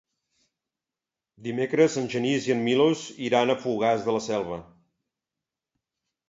Dimecres en Genís i en Milos iran a Fogars de la Selva.